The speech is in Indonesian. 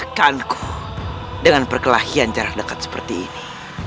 tidak akan ku dengan perkelahian jarak dekat seperti ini